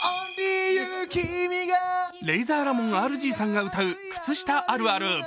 レイザーラモンＲＧさんが歌う靴下あるある。